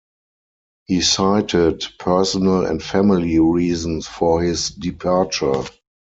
He cited personal and family reasons for his departure.